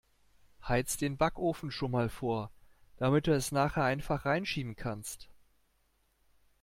Heiz' den Backofen schon mal vor, damit du es nachher einfach 'reinschieben kannst.